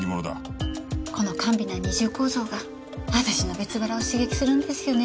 この甘美な二重構造が私の別腹を刺激するんですよね。